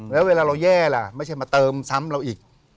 แล้วเวลาเราแย่ล่ะไม่ใช่มาเติมซ้ำเราอีก